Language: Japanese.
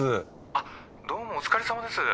あっどうもお疲れさまです。